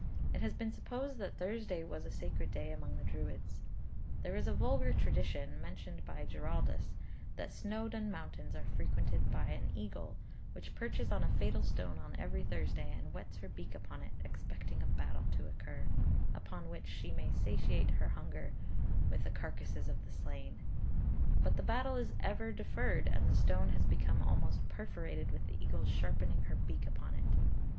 It has been supposed that Thursday was a sacred day among the Druids. There is a vulgar tradition (mentioned by Giraldus), that Snowdon mountains are frequented by an eagle, which perches on a fatal stone on every Thursday and whets her beak upon it, expecting a battle to occur, upon which she may satiate her hunger with the carcases of the slain; but the battle is ever deferred, and the stone has become almost perforated with the eagle's sharpening her beak upon it.